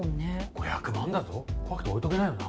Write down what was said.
５００万だぞ怖くて置いとけないよな